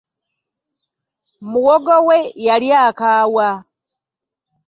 Muwogo we yali akaawa.